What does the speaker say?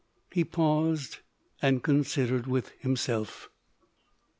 He paused and considered with himself.